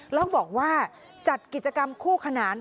แล้วบอกว่าจัดกิจกรรมคู่ขนาน